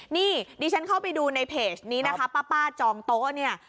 นี่ดิฉันเข้าไปดูในเพจนี้นะคะป้าจองโต๊ะเนี่ย